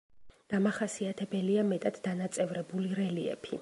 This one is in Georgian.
დამახასიათებელია მეტად დანაწევრებული რელიეფი.